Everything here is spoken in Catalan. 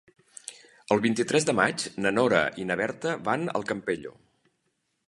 El vint-i-tres de maig na Nora i na Berta van al Campello.